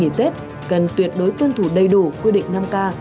khi ăn nghỉ tết cần tuyệt đối tuân thủ đầy đủ quy định năm k